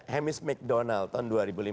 hamish mcdonald tahun dua ribu lima belas